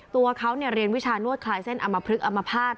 ตัวเขาเรียนวิชานวดคลายเส้นอมพลึกอมภาษณ